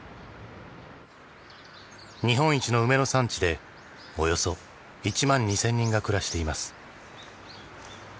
日本一の梅の産地でおよそ１万２０００人が暮らしています。